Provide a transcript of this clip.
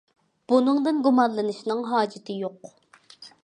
بۇنىڭدىن گۇمانلىنىشنىڭ ھاجىتى يوق.